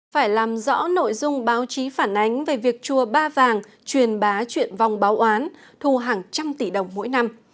phải làm rõ nội dung báo chí phản ánh về việc chùa ba vàng truyền bá chuyện vong báo án thu hàng trăm tỷ đồng mỗi năm